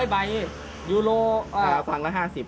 ๑๐๐ใบยูโรฟังละ๕๐ใบ